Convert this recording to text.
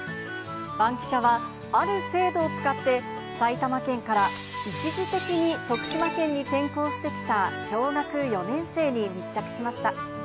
バンキシャ！はある制度を使って、埼玉県から一時的に徳島県に転校してきた小学４年生に密着しました。